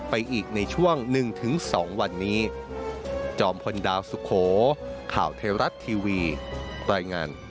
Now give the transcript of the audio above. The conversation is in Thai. ไปอีกในช่วง๑๒วันนี้